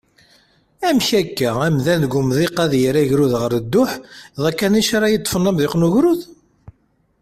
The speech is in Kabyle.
Amek akka amdan deg umḍiq ad yerr agrud ɣer dduḥ, d akanic ara yeṭṭfen amḍiq n ugrud?